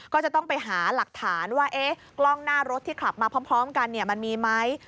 ก็จะต้องไปหาหลักฐานว่ากล้องหน้ารถที่ขับมาพร้อมกันมันมีไหม